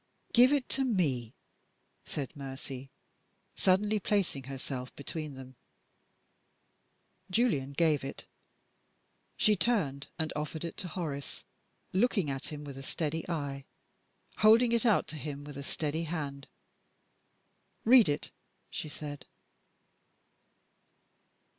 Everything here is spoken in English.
"Give it to me!" said Mercy, suddenly placing herself between them. Julian gave it. She turned, and offered it to Horace, looking at him with a steady eye, holding it out to him with a steady hand. "Read it," she said.